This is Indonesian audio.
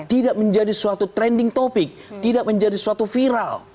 tidak menjadi suatu trending topic tidak menjadi suatu viral